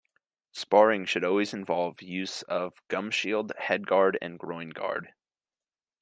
Sparring should always involve use of a gumshield, head-guard and groin-guard.